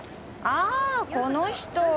ああこの人。